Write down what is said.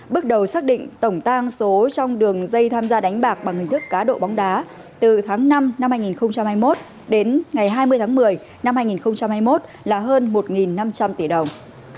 bước đầu xác định tổng tang số trong đường dây tham gia đánh bạc bằng hình thức cá độ bóng đá từ tháng năm năm hai nghìn hai mươi một đến ngày hai mươi tháng một mươi năm hai nghìn hai mươi một là hơn một năm trăm linh tỷ đồng